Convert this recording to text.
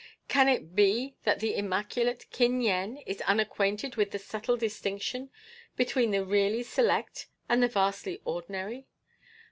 Can it be that the immaculate Kin Yen is unacquainted with the subtle distinction between the really select and the vastly ordinary?